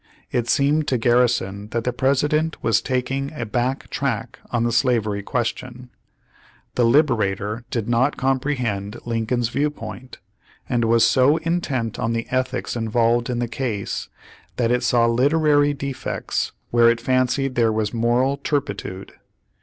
It seemed to Garrison that the President was taking a back track on the slavery question; The Liberator did not comprehend Lincoln's viewpoint, and was so intent on the ethics involved in the case, that it saw literary defects where it fancied there was moral terpitude.